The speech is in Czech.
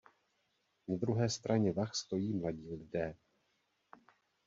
Na druhé straně vah stojí mladí lidé.